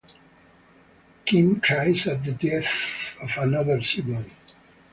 Kim cries at the death of another sibling.